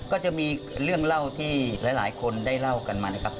ก็จะมีเรื่องเล่าที่หลายคนได้เล่ากันมานะครับ